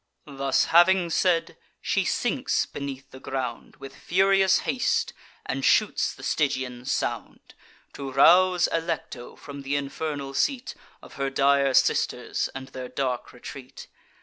Thus having said, she sinks beneath the ground, With furious haste, and shoots the Stygian sound, To rouse Alecto from th' infernal seat Of her dire sisters, and their dark retreat.